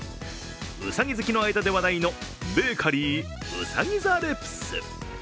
うさぎ好きの間で話題のベーカリー兎座Ｌｅｐｕｓ。